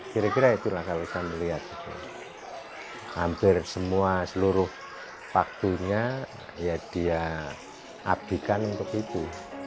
kira kira itulah kalau saya melihat hampir semua seluruh waktunya ya dia abdikan untuk itu